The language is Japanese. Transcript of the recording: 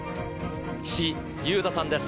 岸優太さんです。